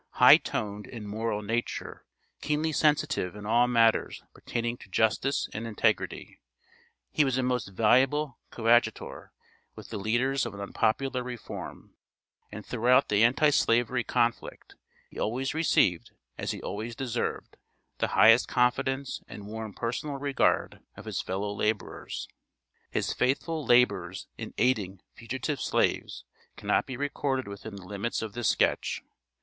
High toned in moral nature, keenly sensitive in all matters pertaining to justice and integrity, he was a most valuable coadjutor with the leaders of an unpopular reform; and throughout the Anti slavery conflict, he always received, as he always deserved, the highest confidence and warm personal regard of his fellow laborers. His faithful labors in aiding fugitive slaves cannot be recorded within the limits of this sketch.